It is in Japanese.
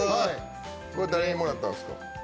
これ誰にもらったんですか？